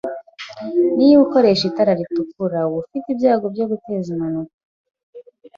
Niba ukoresha itara ritukura, uba ufite ibyago byo guteza impanuka.